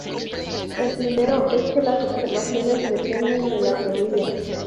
El primero es que "las observaciones dependen de la teoría".